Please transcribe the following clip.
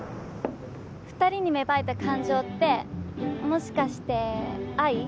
２人に芽生えた感情ってもしかして愛？